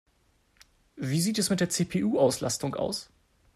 Wie sieht es mit der CPU-Auslastung aus?